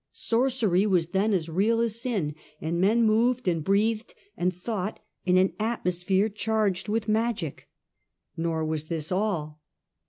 Sorcery was then as real as sin, and men moved and breathed and thought in an atmosphere charged with magic. Nor was this all.